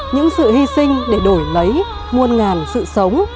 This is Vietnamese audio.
những sự hy sinh để đổi lấy muôn ngàn sự sống